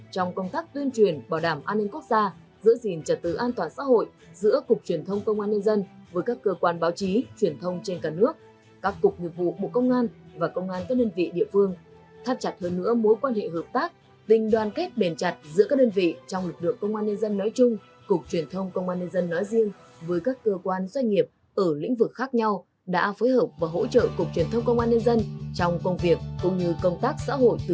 trong công tác tuyên truyền bảo đảm an ninh quốc gia giữ gìn trật tứ an toàn xã hội giữa cục truyền thông công an liên dân với các cơ quan báo chí truyền thông trên cả nước các cục nhiệm vụ bộ công an và công an các đơn vị địa phương thắt chặt hơn nữa mối quan hệ hợp tác tình đoàn kết bền chặt giữa các đơn vị trong lực lượng công an liên dân nói chung cục truyền thông công an liên dân nói riêng với các cơ quan doanh nghiệp ở lĩnh vực khác nhau đã phối hợp và hỗ trợ cục truyền thông công an liên dân trong công việc cũng như công tác x